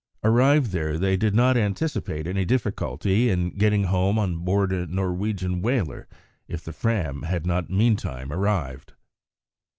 Arrived there, they did not anticipate any difficulty in getting home on board a Norwegian whaler, if the Fram had not meantime arrived.